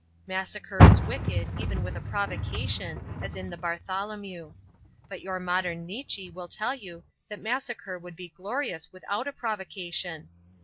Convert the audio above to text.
Massacre is wicked even with a provocation, as in the Bartholomew. But your modern Nietzsche will tell you that massacre would be glorious without a provocation.